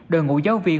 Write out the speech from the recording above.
đội ngũ giáo viên